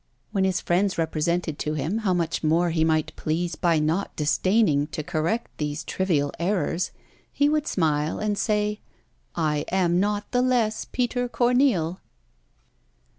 When his friends represented to him how much more he might please by not disdaining to correct these trivial errors, he would smile, and say "_I am not the less Peter Corneille!